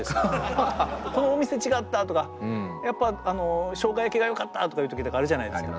「このお店違った」とか「やっぱしょうが焼きがよかった」とかいう時とかあるじゃないですか。